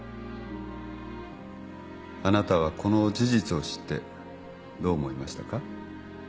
あなたはこの事実を知ってどう思いましたか。